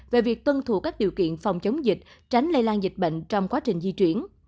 về việc tuân thủ các điều kiện phòng chống dịch tránh lây lan dịch bệnh trong quá trình di chuyển